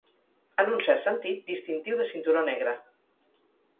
En un cert sentit, distintiu de cinturó negre.